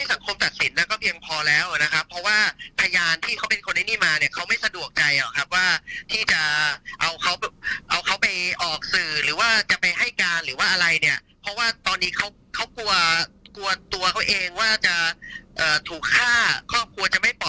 อันนี้ผมก็ว่ามันไม่จำเป็นถึงขนาดนั้นแล้วผมก็ไม่ได้ความสำคัญกับ